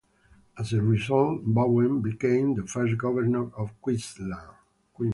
As a result, Bowen became the first Governor of Queensland.